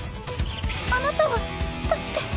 あなたはだって。